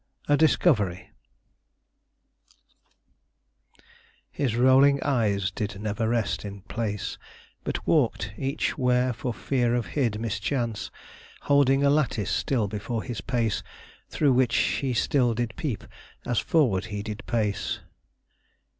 A DISCOVERY "His rolling Eies did never rest in place, But walkte each where for feare of hid mischance, Holding a lattis still before his Pace, Through which he still did peep as forward he did pace."